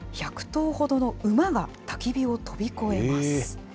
１００頭ほどの馬がたき火を跳び越えます。